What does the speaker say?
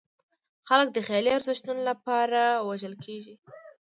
خلک د خیالي ارزښتونو لپاره وژل کېږي.